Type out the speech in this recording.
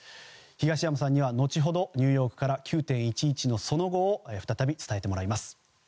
東山さんには後ほど、ニューヨークから９・１１のその後を再び、伝えてもらいます。